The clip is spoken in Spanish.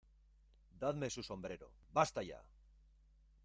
¡ Dadme su sombrero! ¡ basta ya !